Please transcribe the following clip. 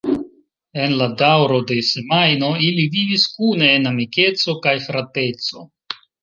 En la daŭro de semajno ili vivis kune en amikeco kaj frateco.